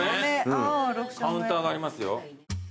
カウンターがありますよ。